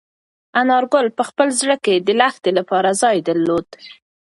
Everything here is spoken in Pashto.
انارګل په خپل زړه کې د لښتې لپاره ځای درلود.